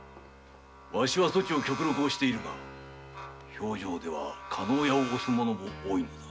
わしはそちを極力押しているが評定では加納屋を押す者も多いのだ。